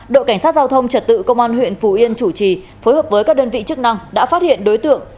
đội cảnh sát giao thông trật tự công an huyện phù yên chủ trì phối hợp với các đơn vị chức năng đã phát hiện đối tượng